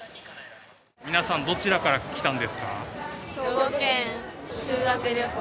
皆さん、どちらから来たんで兵庫県。